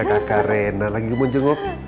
ada kakak reina lagi mau jenguk